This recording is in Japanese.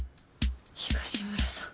東村さん